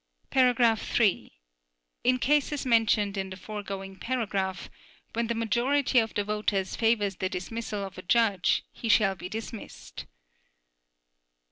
(3) In cases mentioned in the foregoing paragraph, when the majority of the voters favors the dismissal of a judge, he shall be dismissed.